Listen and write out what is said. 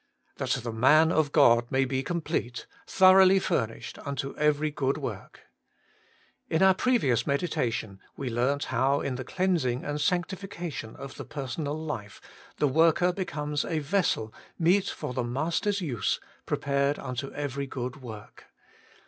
' That the man of God may be complete, thoroughly furnished unto every good work.' In our previous meditation we learnt how in the cleansing and sanctification of the personal life the worker becomes a vessel 7neet for the Maste/s use, prepared unto every good work.